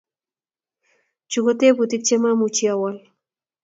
Chu ko tebutik che maamuchi awol